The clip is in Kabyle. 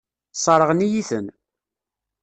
Sseṛɣen-iyi-ten.